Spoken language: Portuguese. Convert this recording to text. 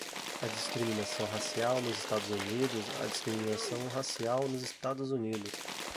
a discriminação racial nos Estados Unidosa discriminação racial nos Estados Unidos